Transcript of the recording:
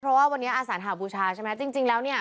เพราะว่าวันนี้อาสานหาบูชาใช่ไหมจริงแล้วเนี่ย